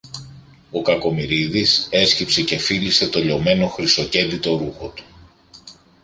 Ο Κακομοιρίδης έσκυψε και φίλησε το λιωμένο χρυσοκέντητο ρούχο του.